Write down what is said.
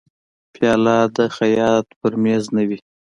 پیاله د خیاط پر مېز نه وي.